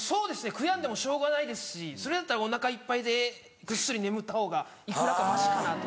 悔やんでもしょうがないですしそれだったらお腹いっぱいでぐっすり眠ったほうがいくらかマシかなと。